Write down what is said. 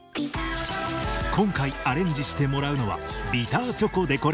今回アレンジしてもらうのは「ビターチョコデコレーション」。